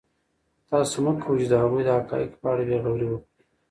تاسو مه کوئ چې د هغوی د حقایقو په اړه بې غوري وکړئ.